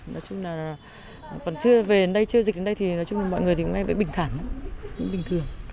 nói chung là còn chưa về đến đây chưa dịch đến đây thì nói chung là mọi người vẫn bình thẳng bình thường